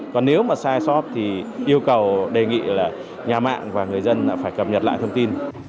còn nếu mà sai sót thì yêu cầu đề nghị là nhà mạng và người dân phải cập nhật lại thông tin